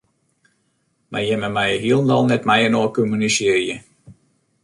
Mar jimme meie hielendal net mei-inoar kommunisearje.